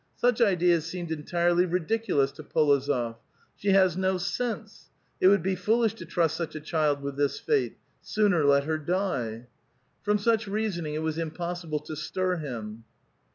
Sucli ideas seemed entirely ridiculous to P61ozof. '* She has no sense ; it would be foolish to trust such a child with this fate ; sooner let her die." From such reasoning it was impossible to stir him.